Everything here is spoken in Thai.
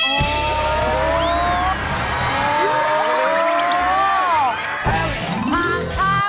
โอ้โฮ